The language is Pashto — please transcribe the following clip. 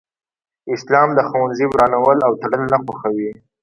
اسلام د ښوونځي ورانول او تړل نه خوښوي